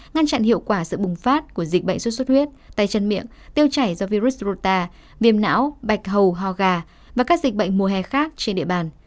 ngăn chặn hiệu quả sự bùng phát của dịch bệnh xuất xuất huyết tay chân miệng tiêu chảy do virus rota viêm não bạch hầu ho gà và các dịch bệnh mùa hè khác trên địa bàn